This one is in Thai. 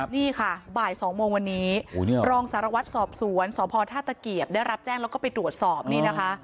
นี่ค่ะบ่าย๒โมงวันนี้รองสารวัตรสอบสวนสพท่าตะเกียบได้รับแจ้งแล้วก็ไปตรวจสอบนี่นะคะ